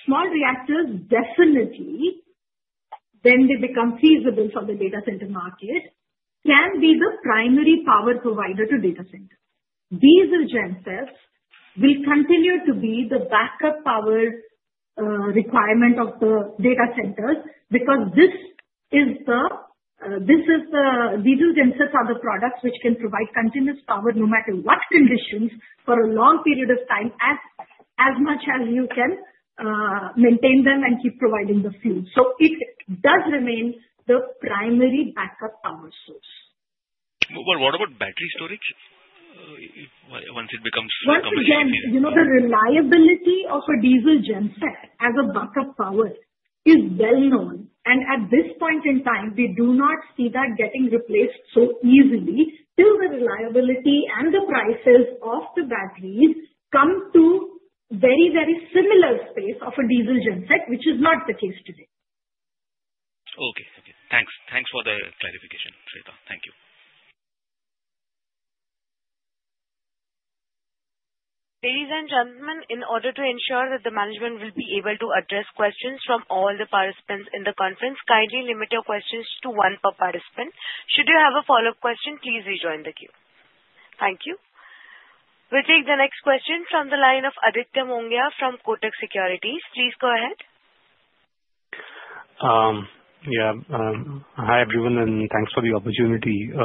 S2: small reactors definitely, when they become feasible for the data center market, can be the primary power provider to data centers. Diesel gensets will continue to be the backup power requirement of the data centers because this is the diesel gensets are the products which can provide continuous power no matter what conditions for a long period of time as much as you can maintain them and keep providing the fuel, so it does remain the primary backup power source.
S11: But what about battery storage once it becomes a competition area?
S2: Again, the reliability of a diesel genset as a backup power is well known. At this point in time, we do not see that getting replaced so easily till the reliability and the prices of the batteries come to very, very similar space of a diesel genset, which is not the case today.
S11: Okay. Okay. Thanks. Thanks for the clarification, Shveta. Thank you.
S1: Ladies and gentlemen, in order to ensure that the management will be able to address questions from all the participants in the conference, kindly limit your questions to one per participant. Should you have a follow-up question, please rejoin the queue. Thank you. We'll take the next question from the line of Aditya Mongia from Kotak Securities. Please go ahead.
S12: Yeah. Hi everyone, and thanks for the opportunity.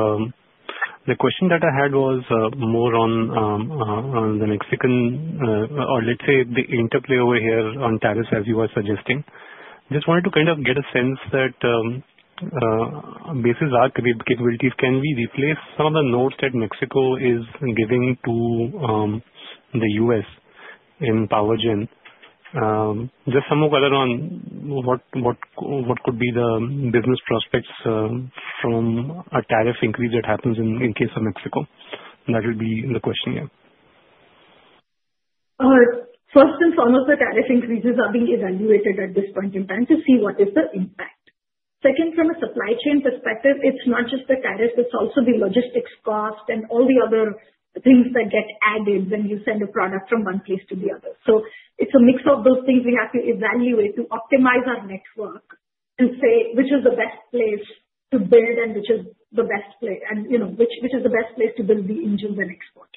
S12: The question that I had was more on the Mexico in, or let's say the interplay over here on tariffs, as you were suggesting. Just wanted to kind of get a sense that basically our capabilities, can we replace some of the output that Mexico is giving to the U.S. in power gen? Just some more questions on what could be the business prospects from a tariff increase that happens in the case of Mexico. That would be the question here.
S2: First and foremost, the tariff increases are being evaluated at this point in time to see what is the impact. Second, from a supply chain perspective, it's not just the tariffs. It's also the logistics cost and all the other things that get added when you send a product from one place to the other. So it's a mix of those things we have to evaluate to optimize our network and say which is the best place to build and which is the best place and which is the best place to build the engine and export.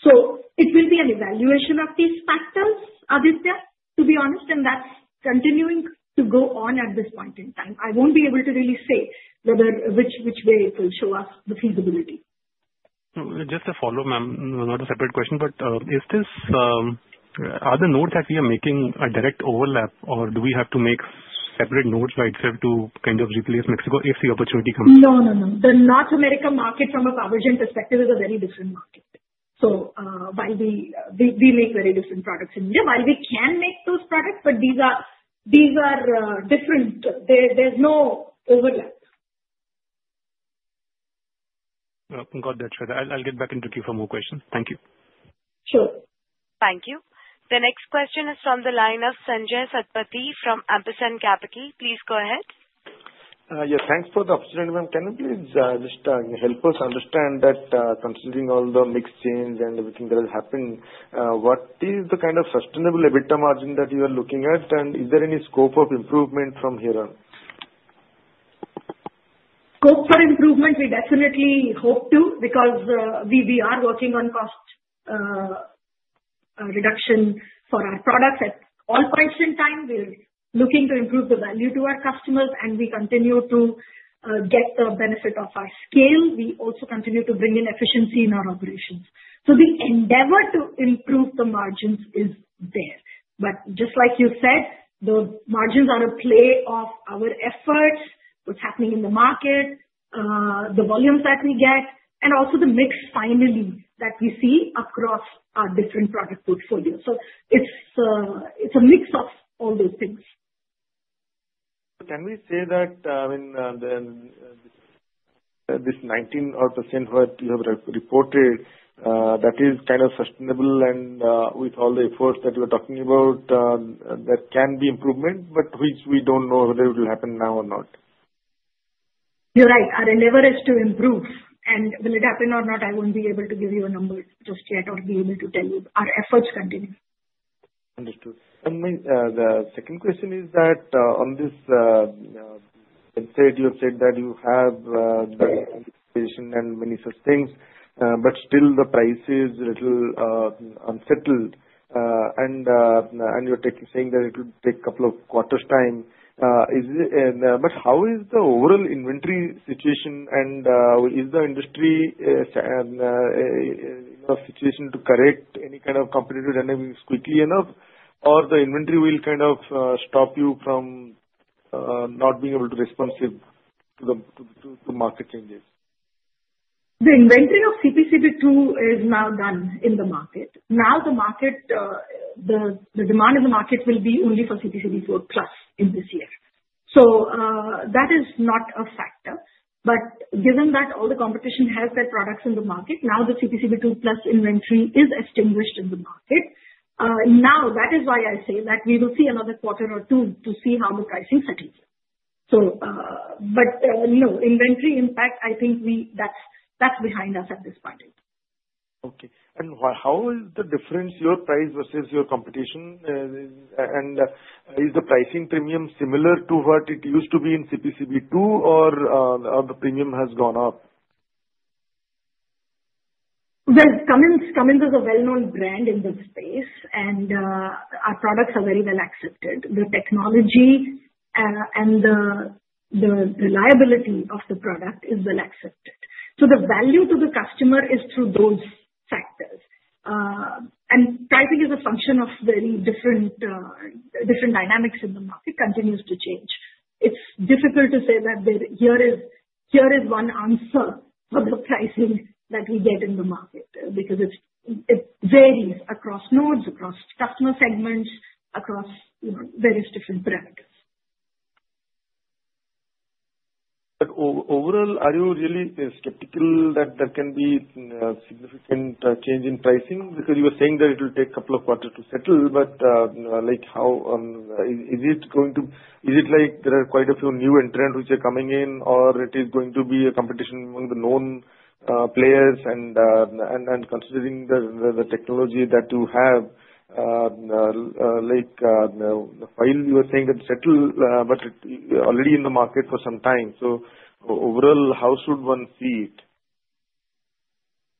S2: So it will be an evaluation of these factors, Aditya, to be honest, and that's continuing to go on at this point in time. I won't be able to really say which way it will show us the feasibility.
S12: Just to follow, ma'am, not a separate question, but are the notes that we are making a direct overlap, or do we have to make separate notes by itself to kind of replace Mexico if the opportunity comes?
S2: No, no, no. The North America market from a power gen perspective is a very different market. So we make very different products in India. While we can make those products, but these are different. There's no overlap.
S12: Got that, Shveta. I'll get back into queue for more questions. Thank you.
S2: Sure.
S1: Thank you. The next question is from the line of Sanjaya Satapathy from Ampersand Capital. Please go ahead.
S13: Yeah. Thanks for the opportunity, ma'am. Can you please just help us understand that considering all the mix change and everything that has happened, what is the kind of sustainable EBITDA margin that you are looking at, and is there any scope of improvement from here on?
S2: Scope for improvement, we definitely hope to because we are working on cost reduction for our products at all points in time. We're looking to improve the value to our customers, and we continue to get the benefit of our scale. We also continue to bring in efficiency in our operations. So the endeavor to improve the margins is there. But just like you said, the margins are a play of our efforts, what's happening in the market, the volumes that we get, and also the mix finally that we see across our different product portfolio. So it's a mix of all those things.
S13: Can we say that, I mean, this 19% what you have reported, that is kind of sustainable and with all the efforts that you are talking about, that can be improvement, but which we don't know whether it will happen now or not?
S2: You're right. Our endeavor is to improve. And will it happen or not? I won't be able to give you a number just yet or be able to tell you. Our efforts continue.
S13: Understood, and the second question is that on this, you have said that you have the organization and many such things, but still the price is a little unsettled, and you're saying that it will take a couple of quarters' time, but how is the overall inventory situation, and is the industry in a situation to correct any kind of competitive dynamics quickly enough, or the inventory will kind of stop you from not being able to respond to the market changes?
S2: The inventory of CPCB II is now done in the market. Now the demand in the market will be only for CPCB IV+ in this year. So that is not a factor. But given that all the competition has their products in the market, now the CPCB II+ inventory is exhausted in the market. Now, that is why I say that we will see another quarter or two to see how the pricing settles out. But inventory impact, I think that's behind us at this point.
S13: Okay. And how is the difference, your price versus your competition? And is the pricing premium similar to what it used to be in CPCB II, or the premium has gone up?
S2: Cummins is a well-known brand in the space, and our products are very well accepted. The technology and the reliability of the product is well accepted. So the value to the customer is through those factors. And pricing is a function of very different dynamics in the market continues to change. It's difficult to say that here is one answer for the pricing that we get in the market because it varies across nodes, across customer segments, across various different parameters.
S12: But overall, are you really skeptical that there can be a significant change in pricing? Because you were saying that it will take a couple of quarters to settle, but is it going to? Is it like there are quite a few new entrants which are coming in, or it is going to be a competition among the known players? And considering the technology that you have, while you were saying that it settled, but it's already in the market for some time. So overall, how should one see it?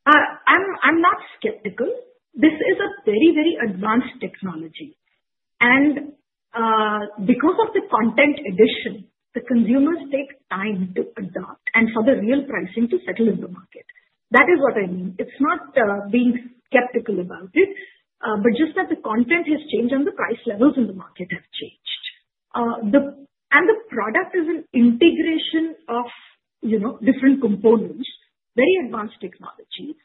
S2: I'm not skeptical. This is a very, very advanced technology, and because of the content addition, the consumers take time to adapt and for the real pricing to settle in the market. That is what I mean. It's not being skeptical about it, but just that the content has changed and the price levels in the market have changed, and the product is an integration of different components, very advanced technologies.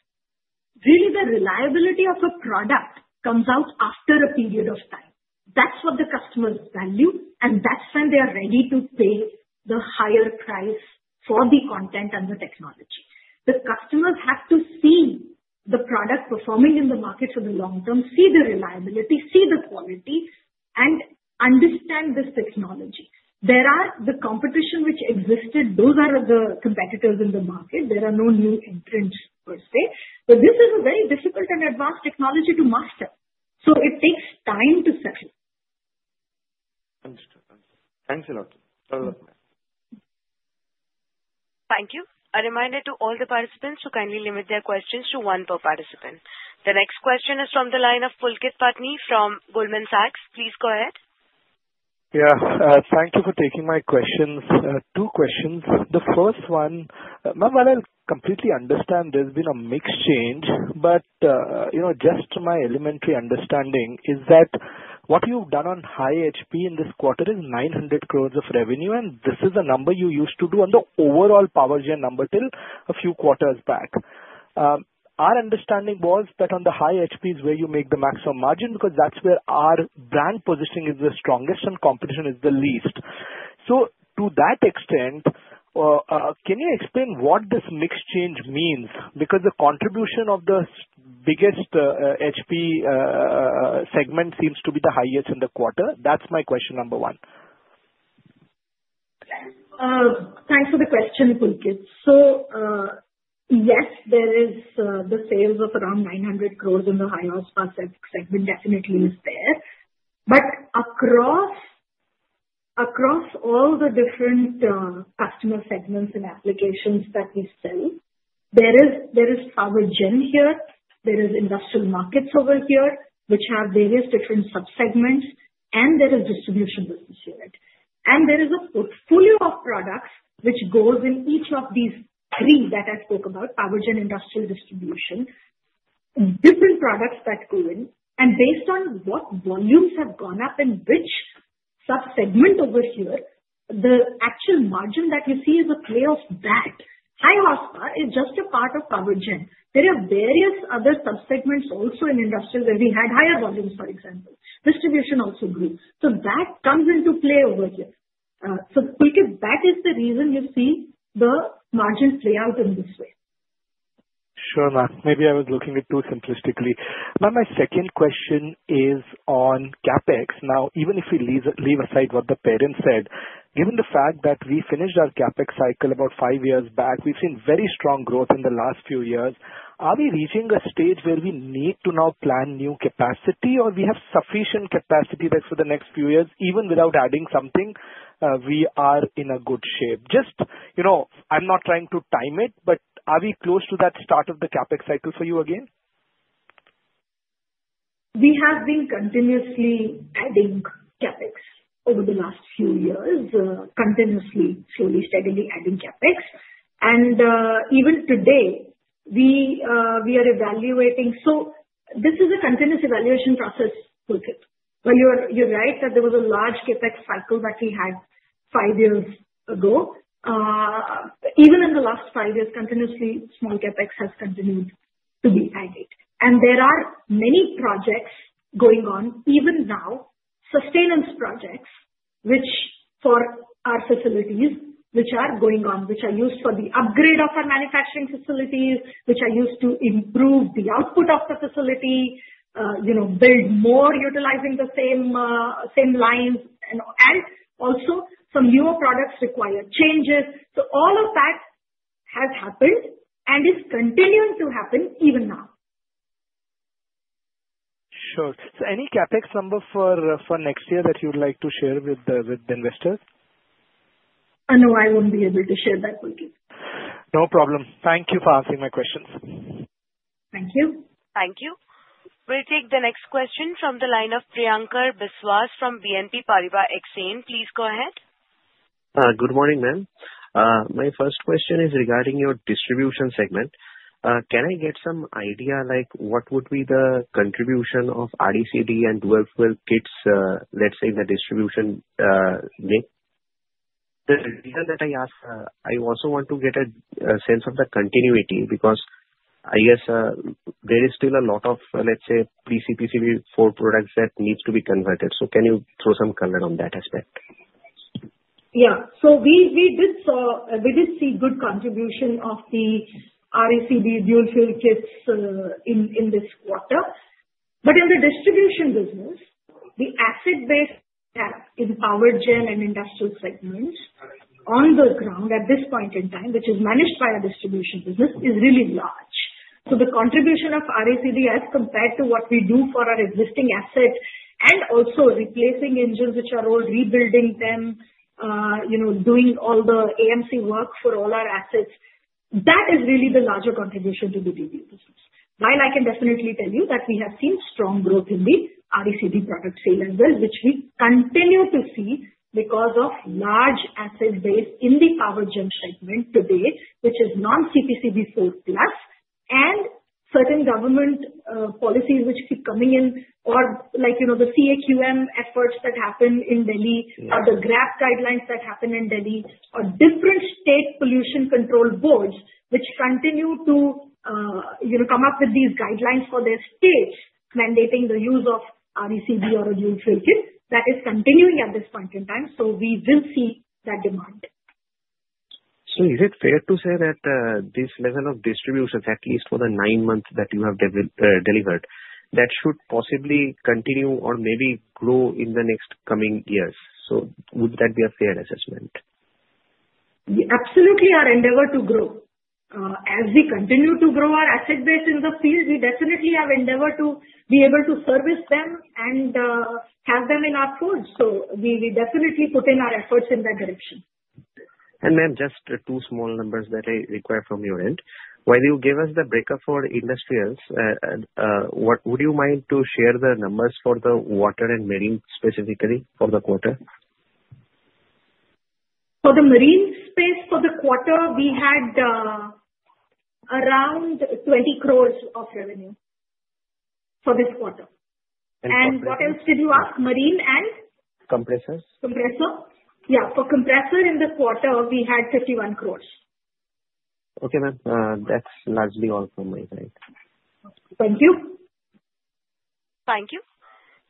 S2: Really, the reliability of a product comes out after a period of time. That's what the customers value, and that's when they are ready to pay the higher price for the content and the technology. The customers have to see the product performing in the market for the long term, see the reliability, see the quality, and understand this technology. There are the competition which existed. Those are the competitors in the market. There are no new entrants per se. But this is a very difficult and advanced technology to master. So it takes time to settle.
S13: Understood. Thanks a lot.
S1: Thank you. A reminder to all the participants to kindly limit their questions to one per participant. The next question is from the line of Pulkit Patni from Goldman Sachs. Please go ahead.
S14: Yeah. Thank you for taking my questions. Two questions. The first one, ma'am, while I completely understand there's been a mix change, but just my elementary understanding is that what you've done on High HP in this quarter is 900 crores of revenue, and this is a number you used to do on the overall power gen number till a few quarters back. Our understanding was that on the High HP is where you make the maximum margin because that's where our brand positioning is the strongest and competition is the least. So to that extent, can you explain what this mix change means? Because the contribution of the biggest HP segment seems to be the highest in the quarter. That's my question number one.
S2: Thanks for the question, Pulkit. So yes, there is the sales of around 900 crores in the High Horsepower segment definitely is there. But across all the different customer segments and applications that we sell, there is power gen here. There are industrial markets over here which have various different subsegments, and there is distribution business here. And there is a portfolio of products which goes in each of these three that I spoke about, power gen industrial distribution, different products that go in. And based on what volumes have gone up in which subsegment over here, the actual margin that you see is a play of that. High Horsepower is just a part of power gen. There are various other subsegments also in industrial where we had higher volumes, for example. Distribution also grew. So that comes into play over here. Pulkit, that is the reason you see the margin play out in this way.
S14: Sure. Maybe I was looking at it too simplistically. Now, my second question is on CapEx. Now, even if we leave aside what the parent said, given the fact that we finished our CapEx cycle about five years back, we've seen very strong growth in the last few years. Are we reaching a stage where we need to now plan new capacity, or we have sufficient capacity for the next few years? Even without adding something, we are in a good shape. Just I'm not trying to time it, but are we close to that start of the CapEx cycle for you again?
S2: We have been continuously adding CapEx over the last few years, continuously, slowly, steadily adding CapEx, and even today, we are evaluating. This is a continuous evaluation process, Pulkit. Well, you're right that there was a large CapEx cycle that we had five years ago. Even in the last five years, continuously, small CapEx has continued to be added, and there are many projects going on even now, sustenance projects, which for our facilities, which are going on, which are used for the upgrade of our manufacturing facilities, which are used to improve the output of the facility, build more utilizing the same lines. Also, some newer products require changes, so all of that has happened and is continuing to happen even now.
S14: Sure, so any CapEx number for next year that you would like to share with the investors?
S2: No, I won't be able to share that, Pulkit.
S14: No problem. Thank you for answering my questions.
S2: Thank you.
S1: Thank you. We'll take the next question from the line of Priyankar Biswas from BNP Paribas Exane. Please go ahead.
S15: Good morning, ma'am. My first question is regarding your distribution segment. Can I get some idea what would be the contribution of RECD and Dual Fuel Kits, let's say, in the distribution? The reason that I ask, I also want to get a sense of the continuity because I guess there is still a lot of, let's say, CPCB IV products that need to be converted. So can you throw some color on that aspect?
S2: Yeah. So we did see good contribution of the RECD Dual Fuel Kits in this quarter. But in the distribution business, the asset base in power gen and industrial segments on the ground at this point in time, which is managed by a distribution business, is really large. So the contribution of RECD as compared to what we do for our existing assets and also replacing engines, which are old, rebuilding them, doing all the AMC work for all our assets, that is really the larger contribution to the DB business. While I can definitely tell you that we have seen strong growth in the RECD product sale as well, which we continue to see because of large asset base in the power gen segment today, which is non-CPCB IV+, and certain government policies which keep coming in, or the CAQM efforts that happen in Delhi, or the GRAP guidelines that happen in Delhi, or different state pollution control boards which continue to come up with these guidelines for their states mandating the use of RECD or a Dual Fuel Kit. That is continuing at this point in time, so we will see that demand.
S15: So is it fair to say that this level of distribution, at least for the nine months that you have delivered, that should possibly continue or maybe grow in the next coming years? So would that be a fair assessment?
S2: We absolutely are endeavored to grow. As we continue to grow our asset base in the field, we definitely have endeavored to be able to service them and have them in our fold, so we definitely put in our efforts in that direction.
S15: Ma'am, just two small numbers that I require from your end. While you give us the breakup for industrials, would you mind to share the numbers for the water and marine specifically for the quarter?
S2: For the marine space for the quarter, we had around 20 crores of revenue for this quarter. And what else did you ask? Marine and?
S15: Compressors.
S2: Compressor. Yeah. For compressor in the quarter, we had 51 crores.
S15: Okay, ma'am. That's largely all from my side.
S2: Thank you.
S1: Thank you.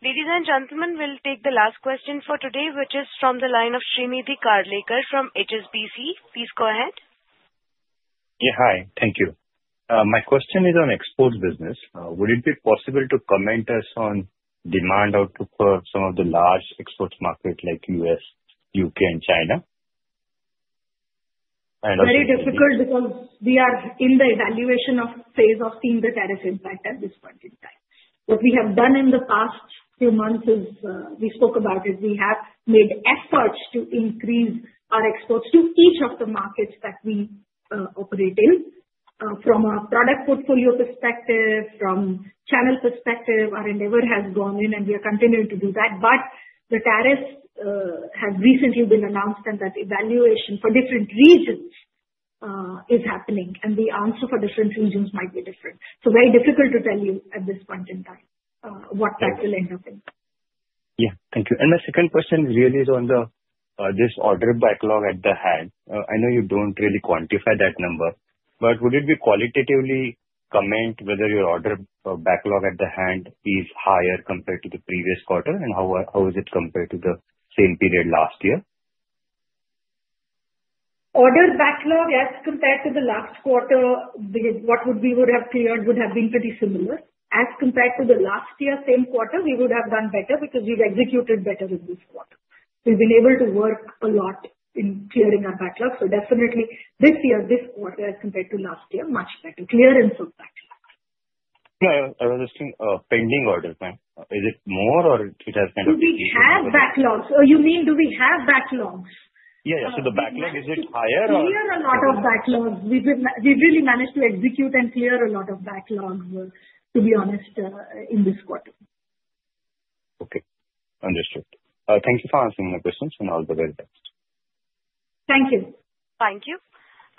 S1: Ladies and gentlemen, we'll take the last question for today, which is from the line of Shrinidhi Karlekar from HSBC. Please go ahead.
S16: Yeah. Hi. Thank you. My question is on export business. Would it be possible to comment on demand output for some of the large export markets like U.S., U.K., and China?
S2: Very difficult because we are in the evaluation phase of seeing the tariff impact at this point in time. What we have done in the past few months is we have made efforts to increase our exports to each of the markets that we operate in. From a product portfolio perspective, from channel perspective, our endeavor has gone in, and we are continuing to do that. But the tariffs have recently been announced, and that evaluation for different regions is happening, and the answer for different regions might be different. So very difficult to tell you at this point in time what that will end up in.
S16: Yeah. Thank you. And my second question really is on this order backlog on hand. I know you don't really quantify that number, but would you qualitatively comment whether your order backlog on hand is higher compared to the previous quarter, and how is it compared to the same period last year?
S2: Order backlog as compared to the last quarter, what we would have cleared would have been pretty similar. As compared to the last year, same quarter, we would have done better because we've executed better in this quarter. We've been able to work a lot in clearing our backlog. So definitely this year, this quarter, as compared to last year, much better. Clearance of backlog.
S16: Yeah. I was asking pending orders, ma'am. Is it more, or it has kind of?
S2: Do we have backlogs? You mean do we have backlogs?
S16: Yeah. Yeah. So the backlog, is it higher or?
S2: We clear a lot of backlogs. We've really managed to execute and clear a lot of backlogs, to be honest, in this quarter.
S16: Okay. Understood. Thank you for answering my questions, and all the very best.
S2: Thank you.
S1: Thank you.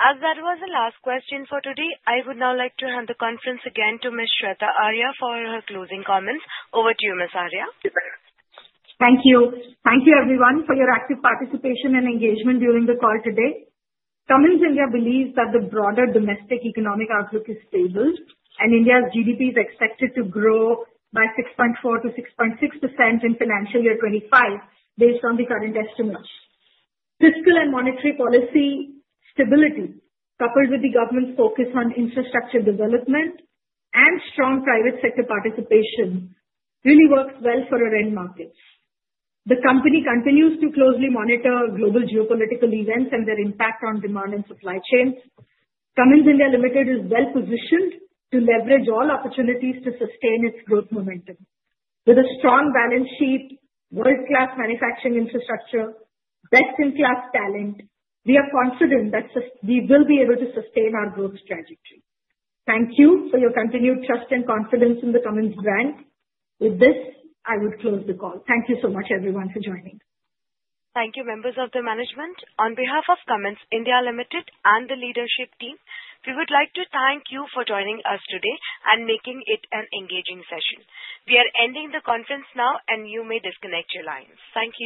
S1: As that was the last question for today, I would now like to hand the conference again to Ms. Shveta Arya for her closing comments. Over to you, Ms. Arya.
S2: Thank you. Thank you, everyone, for your active participation and engagement during the call today. Cummins India believes that the broader domestic economic outlook is stable, and India's GDP is expected to grow by 6.4%-6.6% in financial year 2025 based on the current estimates. Fiscal and monetary policy stability, coupled with the government's focus on infrastructure development and strong private sector participation, really works well for our end markets. The company continues to closely monitor global geopolitical events and their impact on demand and supply chains. Cummins India Limited is well positioned to leverage all opportunities to sustain its growth momentum. With a strong balance sheet, world-class manufacturing infrastructure, best-in-class talent, we are confident that we will be able to sustain our growth trajectory. Thank you for your continued trust and confidence in the Cummins brand. With this, I would close the call. Thank you so much, everyone, for joining.
S1: Thank you, members of the management. On behalf of Cummins India Limited and the leadership team, we would like to thank you for joining us today and making it an engaging session. We are ending the conference now, and you may disconnect your lines. Thank you.